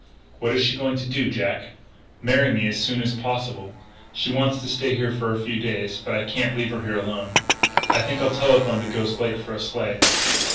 "What is she going to do, Jack?" "Marry me as soon as possible. She wants to stay here for a few days but I can't leave her here alone. I think I'll telephone to Ghost Lake for a sleigh."